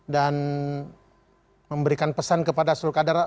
dan memberikan pesan kepada seluruh kadara